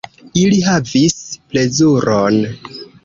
Ili havis plezuron.